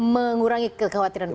mengurangi kekhawatiran pasar